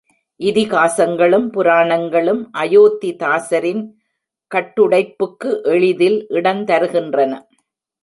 இதிகாசங்களும் புராணங்களும் அயோத்திதாசரின் கட்டுடைப்புக்கு எளிதில் இடந்தருகின்றன.